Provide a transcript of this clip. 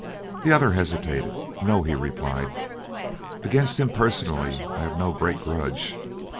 The other hesitated. "No," he replied. "Against him personally I have no great grudge.